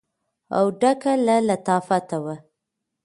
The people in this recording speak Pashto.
او ډکه له لطافت وه.